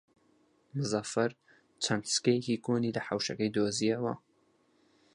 مزەفەر چەند سکەیەکی کۆنی لە حەوشەکەی دۆزییەوە.